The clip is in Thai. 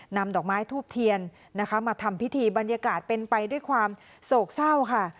นำดอกไม้ทูบเทียนนะคะมาทำพิธีบรรยากาศเป็นไปด้วยความโศกเศร้าค่ะ